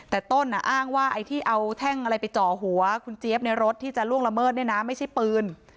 แต่ต้นอ้างว่าไอ้ที่เอาแท่งอะไรไปเจาะหัวคุณเจี๊ยบในรถที่จะล่วงละเมิดเนี่ยนะไม่ใช่ปืน